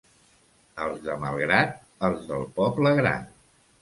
Els de Malgrat, els del poble gran.